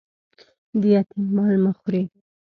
د یتيم مال مه خوري